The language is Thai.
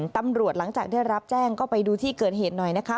หลังจากได้รับแจ้งก็ไปดูที่เกิดเหตุหน่อยนะคะ